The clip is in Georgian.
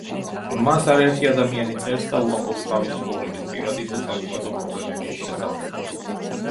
მას არაერთი ადამიანი წერს და უამბობს თავისი ცხოვრების, პირადი, თუ საზოგადო პრობლემების შესახებ.